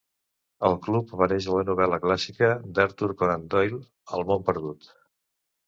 El club apareix a la novel·la clàssica d'Arthur Conan Doyle, "El món perdut".